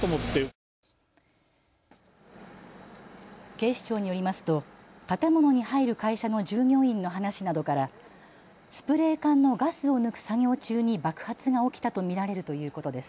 警視庁によりますと建物に入る会社の従業員の話などからスプレー缶のガスを抜く作業中に爆発が起きたと見られるということです。